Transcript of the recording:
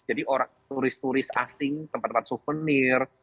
jadi orang turis turis asing tempat tempat souvenir